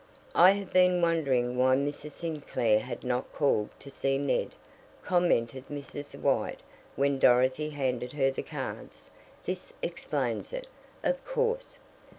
"I have been wondering why Mrs. Sinclair had not called to see Ned," commented Mrs. White when Dorothy handed her the cards. "This explains it, of course.